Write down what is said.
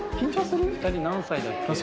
２人何歳だっけ？